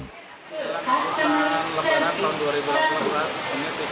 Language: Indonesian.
kepala stasiun mojokerto wahyudi menyatakan tiket kereta api ekonomi jurusan surabaya jakarta dan surabaya bandung